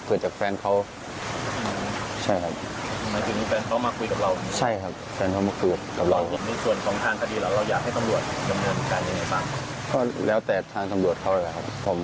คือเราอยากเอาเรื่องเค้าถึงที่สุดไหม